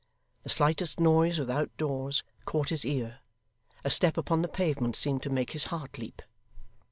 The slightest noise without doors, caught his ear; a step upon the pavement seemed to make his heart leap.